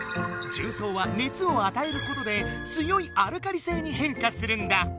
じゅうそうは熱をあたえることで強いアルカリ性に変化するんだ。